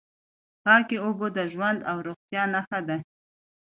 پاکې اوبه د ژوند او روغتیا نښه ده.